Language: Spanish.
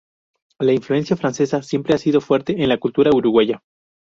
La influencia francesa siempre ha sido fuerte en la cultura uruguaya.